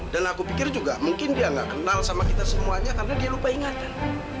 dan aku pikir juga mungkin dia gak kenal sama kita semuanya karena dia lupa ingatan